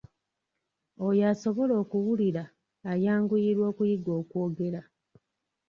Oyo asobola okuwulira ayanguyirwa okuyiga okwogera.